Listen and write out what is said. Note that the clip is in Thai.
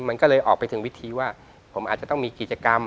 มันก็เลยออกไปถึงวิธีว่าผมอาจจะต้องมีกิจกรรม